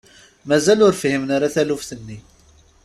Mazal ur fhimen ara taluft-nni.